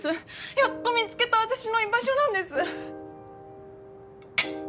やっと見つけた私の居場所なんです。